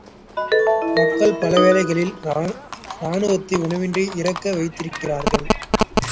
மக்கள் பலவேளைகளில் இராணுவத்தை உணவின்றி இறக்க வைத்திருக்கிறார்கள்.